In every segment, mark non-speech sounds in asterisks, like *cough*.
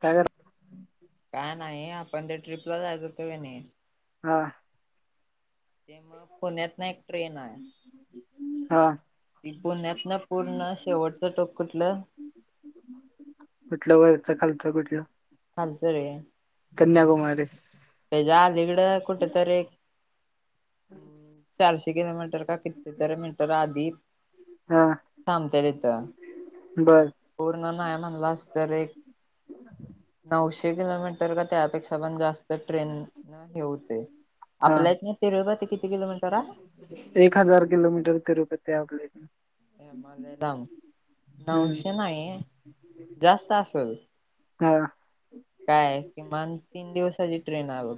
काग. काय नाही आपण ते ट्रिपला जायच होतो क नाही. हा. ते मग पुण्यात ना एक ट्रेन आहे. हा ि पुण्यात ना पूर्ण शेवटच टोक कुटलं. कुठलं वरच खालच कुठलं. खालचं रे कन्याकुमारी. त्याच्या आधकडं कुठ तरी एक. चारशे किलोमीटर का कितती तर मिनटर आधी. हा थांबत तेत. बर पूर्ण नाहीय म्हणला अस तर एक नऊशे किलोमीटर. त्यापेक्षा पण जास्त ट्रेन हा आपल्या त. किती किलोमीटर आहे. एक हजार किलोमीटर तिरुपती आप प्लेट. मला द नऊशे हम्म नाही जास्त असेल. हा. काय किमान तीन दिवसाची ट्रेन आहे बघ.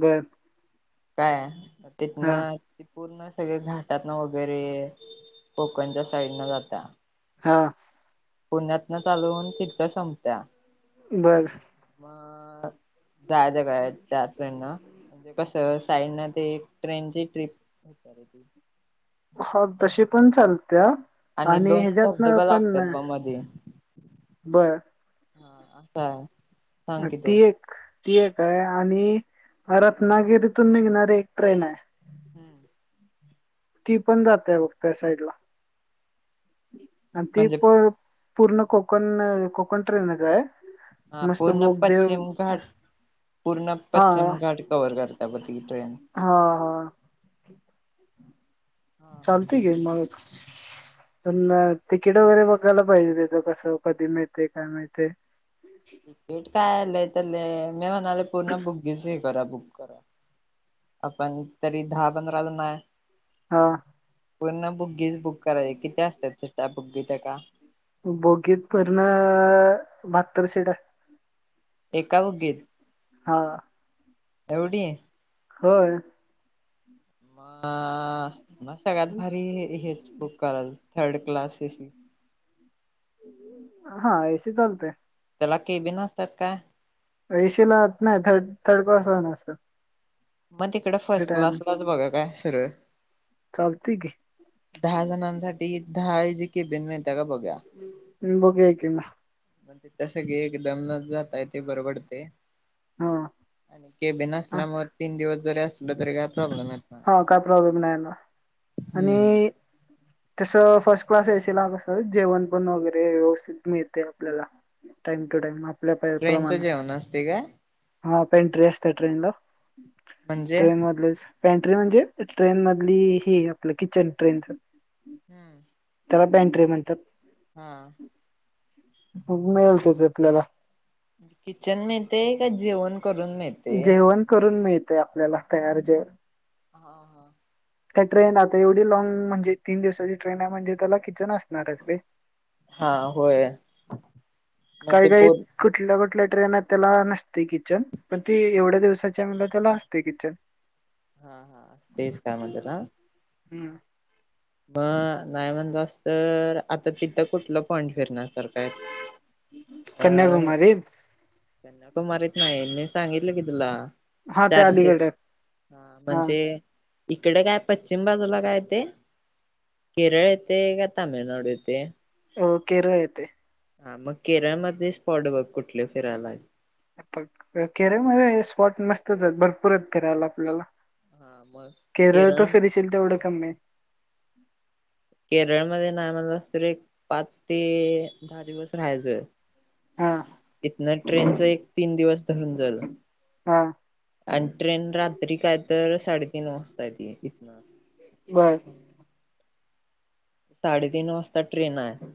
बर. काय तिथ ना. हा पूर्ण सगळे घाटात ना वगैरे कोकणच्या साईड न जाता. हा. पुण्यातन चालवून तिथ संपत्या. बर. मग जाय जगळ त्या फ्रेंड ना म्हणजे कसं. साईड ते एक ट्रेनची ट्रिप. हो तशी पण चालते आणि दोन हच्यात ना धबधबा लागतात पण. ब मध्ये बरं. हा आता. ती एक ती एक आहे आणि म रत्नागिरीतून निघणारी एक ट्रेन आहे. हम्म! ती पण जातय बघत साईड ला आणि ती म्हणजे पण. पूर्ण कोकण कोकण ट्रेनच आहे. हा मस्त पूर्ण बोगदेव पश्चिम घाट. पूर्ण हा पश्चिम घाट कवर्ह करता प त ट्रेन. हा हा! हा चालते गे आणि मग. प तिकीट वगैरे बघायला पाहिजे त्याच कसं कधी माळते काय माहिते. तिकीट काय आलंय त्या मी म्हणाले पूर्ण बुगीच हे करा बु. आपण तरी दहा पंधरा जण आहे हा पूर्ण बुगीस बुक. करायची किती असतात त्या बुग्गीत एका बुगीत तुर्या. बाहातर शेट अस.. एका बुगीत. हा. एवढी. होय. म मग सगळ्यात भारी हेच बुक करायल. थर्ड कलासचे सी. हा एसी चालते. त्याला केबीन असतात काय. पैशे लात नाही थर्ड थर्ड क्लास राअना अस. मग तिकड फर्स्ट क्लासलाच बघा काय सरळ. चालते य की. दहा जणांसाठी दहा एजी केबीन बघया की मग. मग तीत सगळे एकदम जाता येतयाबरबडते. हा केबीन नसल्यामुळे तीन दिवस जरी अस. हा काय प्रॉब्लेम नाही ना आणि. हम्म तस फर्स्ट क्लास ऐसीला ना कस जेवण पण वगैरे व्यवस्थित मिळते आपल्याला. टाइम टू टाइम हाप. ट्रेनचं जेवण असते काय. हा आता एंट्री आसत्या ट्रेन ला. म्हणजे? पँंट्री म्हणजे ट्रेन मधली ही आपलं किचन ट्रेनचं हम्म. त्याला पॅन्ड्री म्हणतात. हा. बघु मिळल तेज आपल्याला. किचन मिळतया का जेवण? करून मिळते? जेवण करून मिळतय आपल्याला तयार जेवण. हा, हा त्या ट्रेन, आता एवढी लँग म्हणजे तीन दिवसाची ट्रेन आहे म्हणजे, त्याला किचन असणार आहे रे. हा होय मग काही, ते काही, पो कुठल्या, कुठल्या, ट्रेन आहेत त्याला नसतय किचन, पण ते एवढ्या दिवसाच आहे म्हणाल्यावर, त्याला असतय किचन. हा, हा, तेच काम म्हणत्यात. हम्म. मग नाही म्हणलास तर, आता तिथं कुठल पॉईंट फिरण्यासारख आहे. कन्याकुमारीत तो मरीत नाहीमी सांगितल की तुला हा *unintelligible* ते चारशे, अलीगड हा म्हणजे इकडे काय, पश्चिम बाजूला काय ते केरळ येतेय, का तामिळनाडू येतेय हो, केरळ येेतेय हा मग केरळमध्ये स्पॉट बघ, कुठले फिरायला प केरळमध्ये स्पॉट मस्तच हेत, भरपूरच फिरायला आपल्याला. हा मग केरळ, तु फिरीशील तेवढ कमी आहे. केरळमध्ये नाही महणालास तरी, एक पाच ते दहा दिवस राहायचय. हा इथन ट्रेनच एक, तीन दिवस धरून चल हा आणि ट्रेन रात्री काय तर साडेतीन वाजता येती या तिथं. बर. साडेतीन वाजता ट्रेन आहे.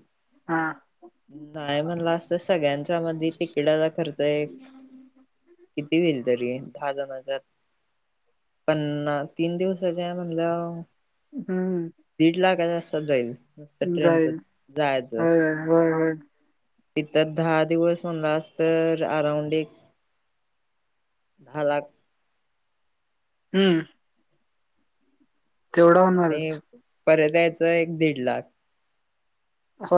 हा नाही म्हणला असतं सगळ्यांच्या मधी तिखिटाचा खर्च एक किती होईल तरी दहा जनाच्यात? पन्ना तीन दिवसाच्या म्हणल्यावर हम्म दीड लाखाच्या असपास जाईल नुसतं ट्रेनच जाईल जायचं. होय होय होय तिथं दहा दिवस म्हनलास तर अराऊंड एक दहा लाख. हम्म. तेवढा आणि होणारच. परत यायचं एक दीड लाख. हो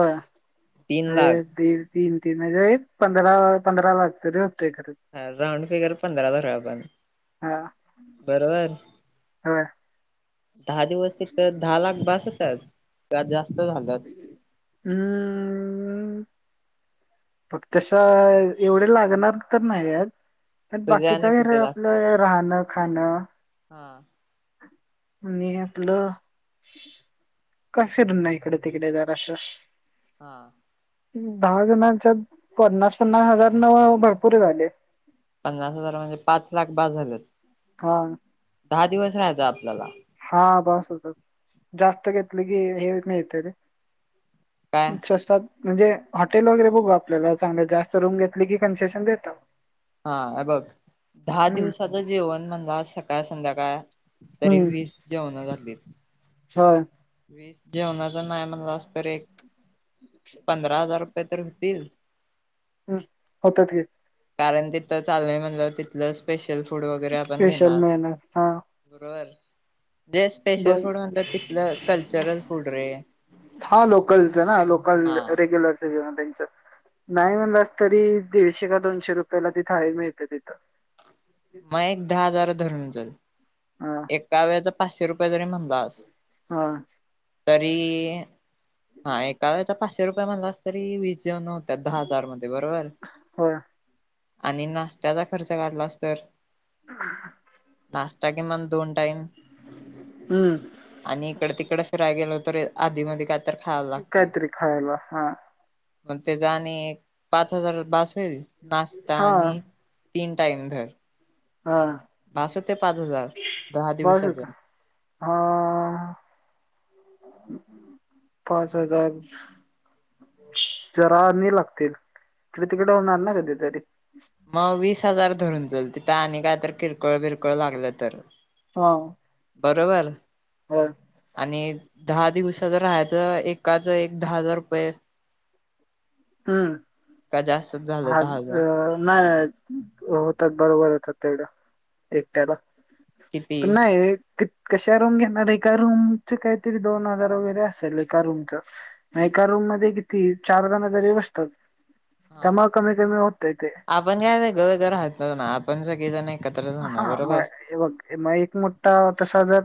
तीन अ लाख दी तीन, तीन म्हणजे पंधरा पंधरा लाख तर ह राउंडफिगर पांधरा धरुया आपण. हा बरोबर हो. दहा दिवस तिथ दहा लाख बास होतात. का जास्त झाल. फक्त तस एवढे लागणार तर नाही आहेत. पण तुझ्या बाकीच आणि हे किती लागतील आपलं राहणं, खाणं हा. आणि आपलं काय फिरून नाही इकडे तिकडे जरास. हा. दहा जणांच्यात पन्नास, पन्नास हजार न भरपूर झाले. पन्नास हजार म्हणजे पाच लाख बास झालेत हा दहा दिवस राहायचा आपल्याला. हा बस होत जास्त घेतलं की हे मिळते रे काय स्वस्तात म्हणजे हॉटेल वगैरे बघू आपल्याला चांगल जास्त रूम घेतली की कन्सेशन देतात. हा बघ दहा हम्म दिवसाचं जेवण म्हणजे सकाळ, संध्याकाळ. तरी हम्म वीस जेवणाला लागतील. होय. वीस जेवणाच नाय म्हणला अस तर एक पंधरा हजार तर होतील. हम्म होतात की. कारण तिथं चालवे म्हणलं तिथलं स्पेशल काय. फूड वगैरे आपण स्पेशल घेणार मिळणार हा बरोबर. जे स्पेशल बघ फूड म्हटलं तिथल. हा लोकलच ना लोकल हा. रेग्युलर जेवण त्यांच. नाही म्हणलास तरी दीडशे का दोनशे रुपयाला तिथं थाळी मिळते तिथ. मग एक दहा हजार धरून चल हा एकाव्याचा पाचशे रुपये जरी म्हणत हा तरी हा एका वेळेचा पाचशे रुपये मला अस तरी वीज त्या दहा हजार मधे बरोबर होय आणि नाष्टाचा खर्च काढला तर नाष्टा किंमान दोन टाईम हम्म आणि इकड तिकड फिरायला गेलो तर आधी मध्ये कायतर काहीतरी खायला हा मग त्याच्या आणि पाच हजार बास होईल नाश्ता हा आणि तीन टाइम धर हा पास ते पाच हजार दहा बघ का दिवसाचे हा पाच हजार जरा आणि लागतील इकडे तिकडे होणार ना त्याच्यासाठी मग वीस हजार धरून चल तिथं आणि काय तर किरकोळ किरकोळ लागलं तर हो. बरोबर. हो. आणि दहा दिवसाच राहायचं एकाच एक दहा हजार रुपये हम. का जास्तच झालं हा दहा हजार अ नाही होतात बरोबर होतात. तिकडं एकट्याला किती पण नाही. कशा रूम घेणार एका रूमच काहीतरी दोन हजार वगैरे असेल एका रूमच म एका रूम मध्ये किती चार जण तरीबसतात हा आपण काय ग वेगळे वेगळे राहतो ना आपण सगळेजण एकत्र हा राहणार म बरोबर बघ मग एक मोठा तसा जर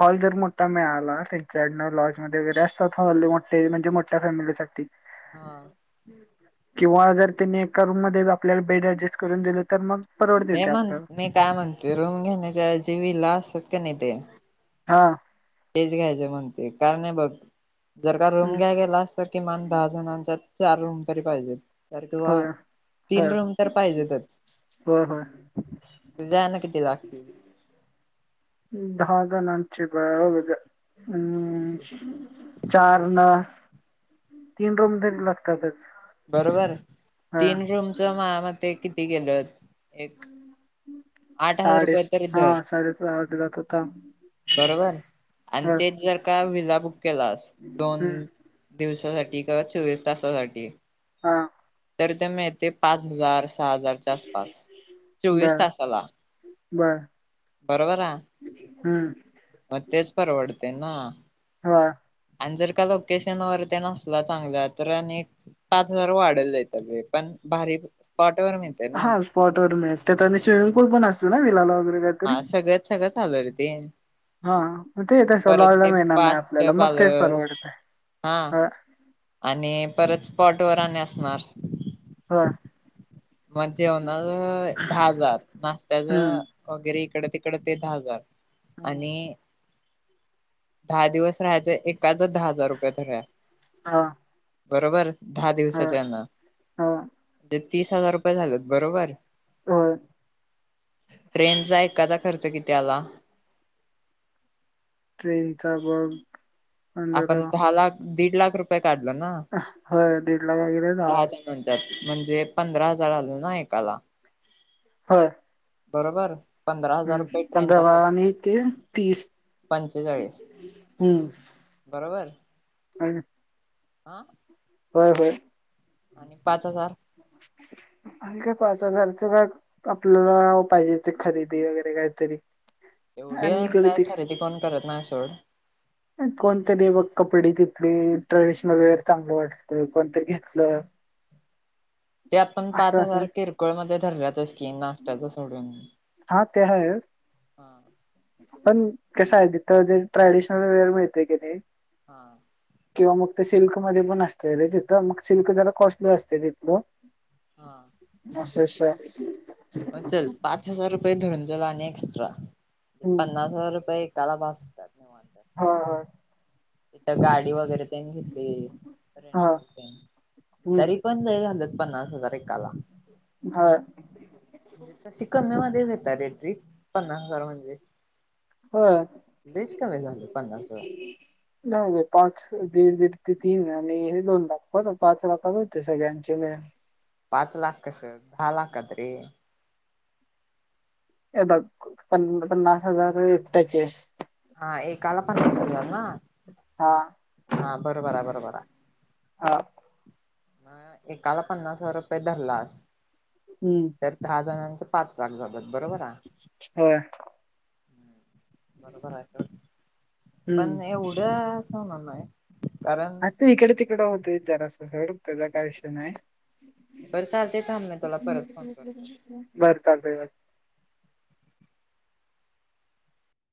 हॉल जर मोठा मिळाला त्यांच्याकडनं लॉजमध्येध्ये वगैरे असतात हॉल मोठे म्हणजे मोठ्या फॅमिलीसाठीठी हा हम्म. किंवा जर त्यानी एका रूम मध्ये आपल्याला बेड अऍडजस्ट करून दिलं तर मग मी परवडतेते म्हण आपलं. मी काय म्हणते रूम घेण्याच्या जीवीला असत. हा. तेच घ्यायचं म्हणते कारण नाही बघ जर का रूम हम्म घ्या गेलास तर किमान दहा जणांच्या चार रूम तरी पाहिजेत तर किंवा होय होय तीन रूम तर पाहिजेतच. होय होय तुझ्या ना किती लागतील. दहा जणांचे हम चार न तीन तरी लागतातच. बरोबर हा तीन रूमच माझ्या मते किती गेलं. आठ हजार साडे रुपये तरी हा धर साडे आठ जात होता बरोबर आणि ह तेच जर का? बुक केला दोन हम्म दिवसासाठी किंवा चोवीस तासासाठी- हा तरी ते मिळते पाच हजार सहा हजारच्या आसपास चोवीस बर तासाला बर. बरोबर. हम. त्यांना हा. आणि जर का लोकेशन वर ते नसला चांगल्या तर आणि पाच हजार वाढल नाहीतर लय पण कॉटवर मिळते ना. त्या त्याने सुु भ लालग हा सगळंच सगळं चालू आहे रे ते. हा मग ते तसं परत लॉजला ते मिळणार नाही पाच आपल्याला मग तेच पालं परवडत हा. आहे आणि परत पॉट वर असणार. हा. मग जेवणा दहा हजार नाश्त्याचं हम्म. वगैरे इकडे तिकडे तड तिकड ते दहा हजार आणि दहा दिवस राहायचं एक त्याचं दहा हजार रुपये भरले हां, बरोबर. दहा होय, दिवसाच्याना हो, म्हणजे तीस हजार रुपये झालेत बरोबर होय. ट्रेनचा एकाचा खर्च किती? त्याला ट्रेनचा बग. आपण दहा लाख दीड लाख रुपया. काढलं ना होय दीड लाख वगैरे दहा जणच्याात. म्हणजे पंधरा हजार आल ना एकाला? होय बरोबर पंधरा हजार रुपये हम्म ट्रेनचा पंधरा खर्च आणि ते तीस पंचेचाळीस.. बरोबर. अ. आं. होय होय हजार आणी काय पाच हजार. का आपल्याला पाहिजे ते खरेदी वगैरे काहीतरी.? एवढी आणि इकडे काय ते खरेदी कोण करत नाय सोड. कोणतरी बघ कपडे तिथली ट्रेडिशनल वेअर चांगलं वाटत कोणतरी घेतलं.? ह. ते आपण पाच हजार किरकोळमध्ये धरल्याचच की नाशत्याच सोडून. हा ते आहेच? हा. क सा आहे तिथं जे ट्रॅडिशनल वेअर मिळतेय की नाही.? हा. किंवा मग ते सिल्कमध्ये पण असते रे तिथं मग सिल्क जरा कॉस्टली असते तिथलं.? हा. असय म चल पाच हजार रुपये धरून चला आणि एक्स्ट्रा हम्म. पन्नास हजार रुपये.? त्याला भास हा हा. इथं गाडी वगैरे. हा हम्म तरी पण झालं.? पन्नास हजार एकाला. हा रेट पन्नास हजार म्हणजे. होय बीस कमी झाली पन्नास ह. नाही नाही पाच दीड दीड ते तीन आणि हे दोन लाख ब पाच लाख होते सगळ्यांचे ह. पाच लाख कस दहा लाखात लाखात रे? हे बघ प पन्नास हजार एकट्याचे हा एकाला पन्नास हा बरोबर आहे बरोबर आहे. हा म एकाला पन्नास हजार रुपये धरलास हम्म तर दहा जणांचा. पाच लाख होतात. होय. बरोबर आहे तर हम्म पण एवढं असं होणार नाही. कारण आ ते इकडे तिकड होतो जरा अस सोड त्यांचा काय विषय नाही. बरं चालते थांब मी तुला परत फोन करतो. बर चालतय.